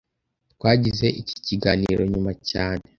Twagize iki kiganiro nyuma cyane